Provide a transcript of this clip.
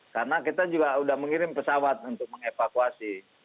karena kita juga sudah mengirim pesawat untuk mengevakuasi